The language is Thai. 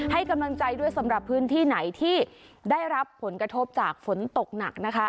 ให้กำลังใจด้วยสำหรับพื้นที่ไหนที่ได้รับผลกระทบจากฝนตกหนักนะคะ